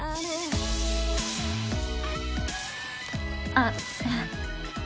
あっ。